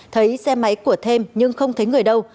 thấy xe máy của thêm nhưng không thấy người đâu